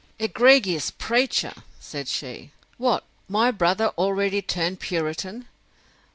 Egregious preacher! said she: What, my brother already turned Puritan!